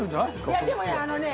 平野：でもね、あのね